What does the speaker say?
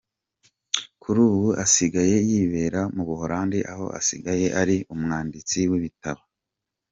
Kuri ubu, asigaye yibera mu Buholandi aho asigaye ari umwanditsi w’ibitabo.